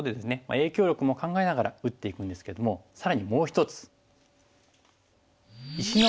影響力も考えながら打っていくんですけども更にもう１つ。